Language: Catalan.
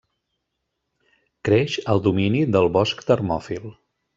Creix al domini del bosc termòfil.